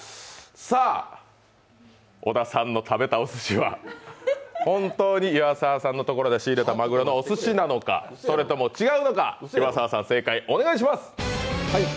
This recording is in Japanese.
さあ、小田さんの食べたおすしは本当に岩澤さんのところで仕入れたお寿司なのかそれとも違うのか、岩澤さん、正解お願いします。